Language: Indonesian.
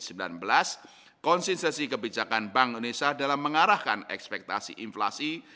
konsentrasi kebijakan bank indonesia dalam mengarahkan ekspektasi inflasi